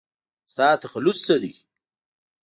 ستا تخلص څه دی ؟